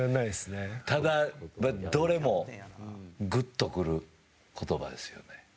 ただ、どれもグッと来る言葉ですよね。